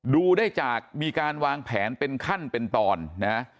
ดูได้จากมีการวางแผนเป็นขั้นเป็นตอนนะ